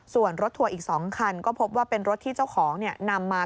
ส่วนรถทัวร์อีก๒คันก็พบว่าเป็นรถที่เจ้าของนำมา